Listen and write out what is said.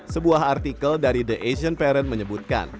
sebuah artikel dari the asian parent menyebutkan